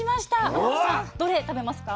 天野さんどれ食べますか？